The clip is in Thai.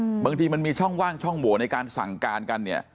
บางทีมันมีช่องว่างช่องโหวในการสั่งการกันเนี้ย